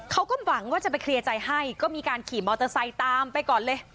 เขาก็หวังว่าจะไปเคลียร์ใจให้ก็มีการขี่มอเตอร์ไซค์ตามไปก่อนเลย